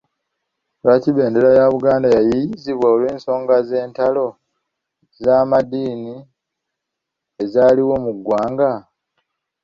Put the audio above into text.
Lwaki bendera ya Buganda yayiiyizibwa olw’ensonga z’entalo z’amadiini ezaaliwo mu ggwanga?